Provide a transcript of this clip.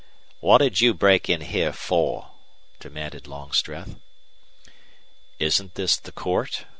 "What'd you break in here for," demanded Longstreth. "Isn't this the court?